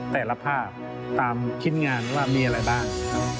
แต่ละภาพตามชิ้นงานว่ามีอะไรบ้าง